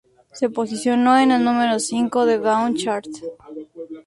Se posicionó en el número cinco de Gaon Chart.